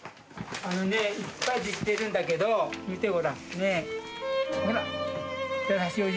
あのねいっぱい出来てるんだけど見てごらんほら。